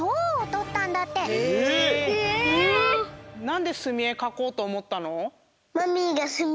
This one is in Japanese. なんですみえかこうとおもったの？